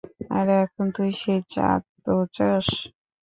আর এখন তুই সেই চাঁদ ও চাস?